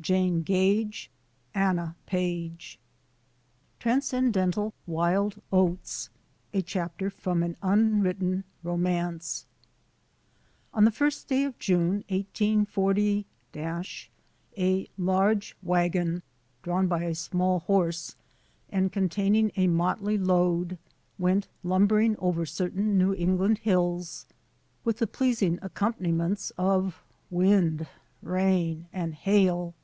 Jane Gage Anna Page. Digitized by VjOOQ IC TRANSCENDENTAL WILD OATS A CHAPTER FROM AN UNWRITTEN ROMANCE On the first day of June, 184 , a large wagon, drawn by a small horse and containing a motley load, went lumbering over certain New England hills, with the pleasing accompaniments of wind, rain, and hail.